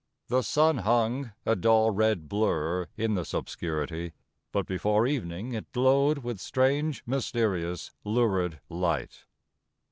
The sun hung, a dull red blur in this obscurity ; but before evening it glowed with strange, mysterious, lurid light.